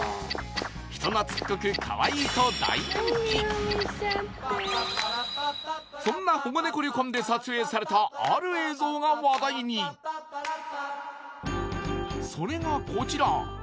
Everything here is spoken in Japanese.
人なつっこくカワイイと大人気そんな保護ネコ旅館で撮影されたある映像が話題にそれがこちら